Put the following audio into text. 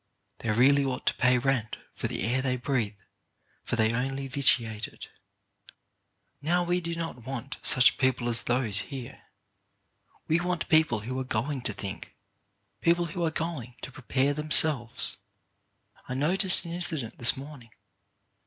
They really ought to pay rent for the air they breath, for they only vitiate it. Now we do not want such people as those here. We want people who are going to think, people who are going to prepare themselves. I noticed an incident this morning.